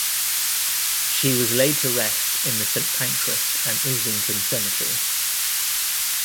She was laid to rest in the St Pancras and Islington Cemetery.